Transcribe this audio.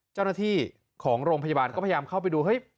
เจ้าหน้าที่ของโรงพยาบาลก็พยายามเข้าไปดูเฮ้ย